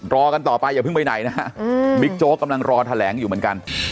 กันต่อไปอย่าเพิ่งไปไหนนะบิ๊กโจ๊กกำลังรอแถลงอยู่เหมือนกัน